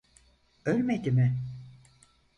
Ölmedi mi?